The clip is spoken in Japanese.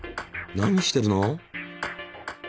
何してるの？